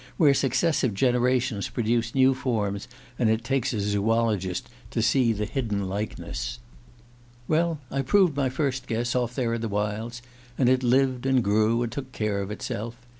where successive generations produce new forms, and it takes a zoologist to see the hidden likeness. ... "Well, I proved my first guess, off there in the wilds, and it lived, and grew, and took care of itself.